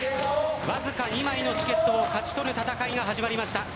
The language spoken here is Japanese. わずか２枚のチケットを勝ち取る戦いが始まりました。